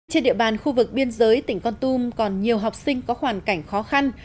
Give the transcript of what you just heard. trên địa bàn khu vực biên giới tỉnh con tum còn nhiều học sinh có hoàn cảnh khó khăn